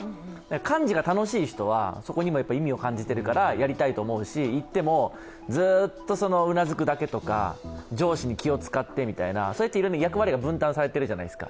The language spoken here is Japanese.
幹事が楽しい人は、そこにも意味を感じてるからやりたいと思うし行ってもずっとうなずくだけとか、上司に気を使ってみたいないろんな役割が分担されてるじゃないですか。